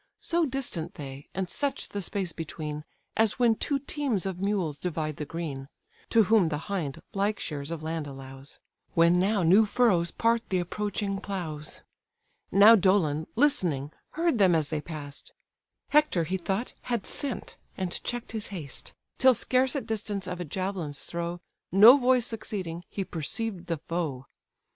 So distant they, and such the space between, As when two teams of mules divide the green, (To whom the hind like shares of land allows,) When now new furrows part the approaching ploughs. Now Dolon, listening, heard them as they pass'd; Hector (he thought) had sent, and check'd his haste, Till scarce at distance of a javelin's throw, No voice succeeding, he perceived the foe.